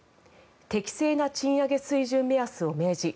適正な賃上げ水準目安を明示。